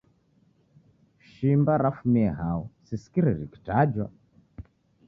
Shimba rafumie hao? Sisikire rikitajwa.